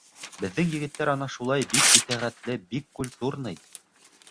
Беҙҙең егеттәр ана шулай бик итәғәтле, бик культурный.